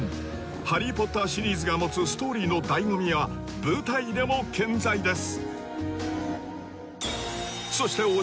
「ハリー・ポッター」シリーズが持つストーリーの醍醐味は舞台でも健在です